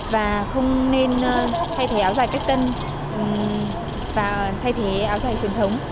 và không nên thay thế áo dài cách tân và thay thế áo dài truyền thống